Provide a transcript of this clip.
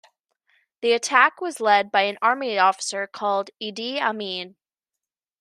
The attack was led by an army officer called Idi Amin.